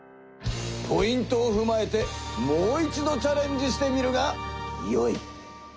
ポイントをふまえてもう一度チャレンジしてみるがよい！